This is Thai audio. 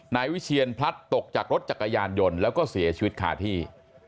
นายวิเชียนพลัดตกจากรถจักรยานยนต์แล้วก็เสียชีวิตคาที่